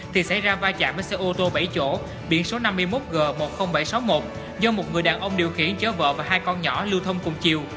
thì xảy ra va chạm với xe ô tô bảy chỗ biển số năm mươi một g một mươi nghìn bảy trăm sáu mươi một do một người đàn ông điều khiển chở vợ và hai con nhỏ lưu thông cùng chiều